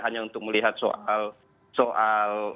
hanya untuk melihat soal